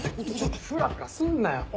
ふらふらすんなよ！